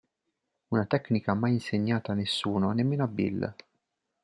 Una tecnica mai insegnata a nessuno, nemmeno a Bill.